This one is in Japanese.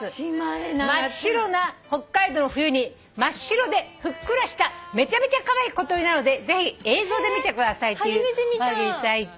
「真っ白な北海道の冬に真っ白でふっくらしためちゃめちゃカワイイ小鳥なのでぜひ映像で見てください」っておはがき頂いて。